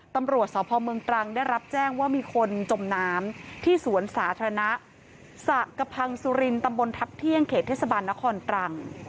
ตำรวจสพเมืองตรังได้รับแจ้งว่ามีคนจมน้ำที่สวนสาธารณะสระกระพังสุรินตำบลทัพเที่ยงเขตเทศบาลนครตรัง